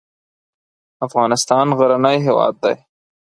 افغانستان غرنی هېواد دی.